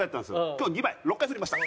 今日は２倍６回振りました。